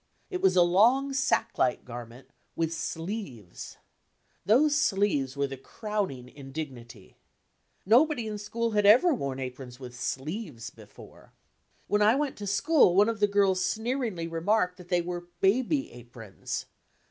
It was a long, sack like garment, T/'vAi sleeves. Those sleeves were the crowning indignity. Nobody in school had ever worn Digilized by Google aprons with sleeves before. When I went to school one of the girls sneeringly remarked that they were haby aprons.